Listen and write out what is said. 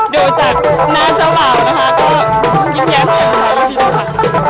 ดูจากหน้าเจ้าเปล่านะคะก็มันยิ้มแย้มทีทีดีกว่าค่ะ